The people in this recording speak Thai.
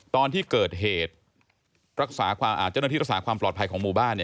ตอนที่เกิดเหตุเจ้าหน้าที่รักษาความปลอดภัยของหมู่บ้าน